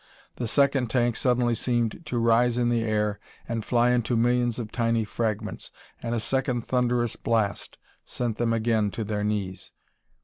The second tank suddenly seemed to rise in the air and fly into millions of tiny fragments, and a second thunderous blast sent them again to their knees.